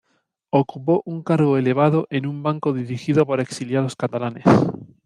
Ocupó un cargo elevado en un banco dirigido por exiliados catalanes.